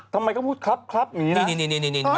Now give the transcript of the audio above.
ทำไมเขาพูดครับอย่างนี้